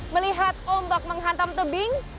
melihat ombak menghantam tebing